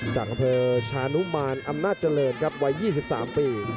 จากอำเภอชานุมานอำนาจเจริญครับวัย๒๓ปี